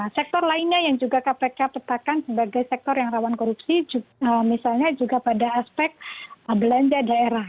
sektor lainnya yang juga kpk petakan sebagai sektor yang rawan korupsi misalnya juga pada aspek belanja daerah